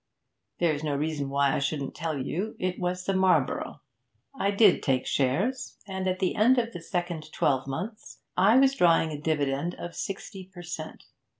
There's no reason why I shouldn't tell you; it was the Marlborough. I did take shares, and at the end of the second twelve months I was drawing a dividend of sixty per cent.